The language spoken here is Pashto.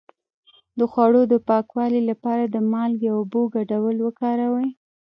د خوړو د پاکوالي لپاره د مالګې او اوبو ګډول وکاروئ